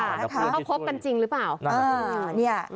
แล้วเขาคบกันจริงหรือเปล่า